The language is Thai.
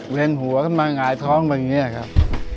เวียนหัวขึ้นมาหงายท้องแบบนี้ครับ